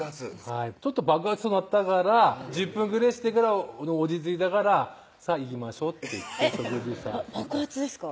ちょっと爆発しそうになったから１０分ぐれぇしてから落ち着いたから「さぁ行きましょう」って言って食事した爆発ですか？